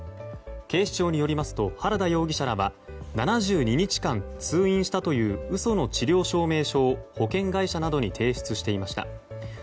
警視庁によりますと原田容疑者らは７２日間通院したという嘘の治療証明書を保険会社などに提出していました。